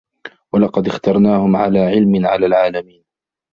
وَلَقَدِ اخْتَرْنَاهُمْ عَلَى عِلْمٍ عَلَى الْعَالَمِينَ